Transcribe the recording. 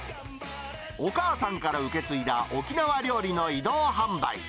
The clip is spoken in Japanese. お母さんから受け継いだ沖縄料理の移動販売。